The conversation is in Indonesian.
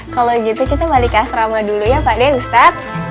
kalau gitu kita balik ke asrama dulu ya pak deh ustadz